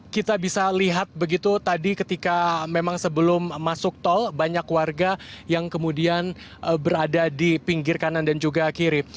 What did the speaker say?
kita bisa lihat begitu tadi ketika memang sebelum masuk tol banyak warga yang kemudian berada di pinggir kanan dan juga kiri